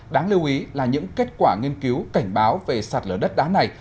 đáng lưu ý là những kết quả nghiên cứu cảnh báo về sạt lở đất đá này